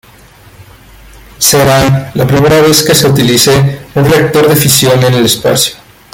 Será la primera vez que se utilice un reactor de fisión en el espacio.